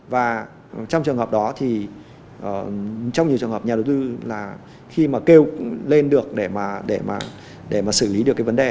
và trong trường hợp đó thì trong nhiều trường hợp nhà đầu tư là khi mà kêu lên được để mà xử lý được cái vấn đề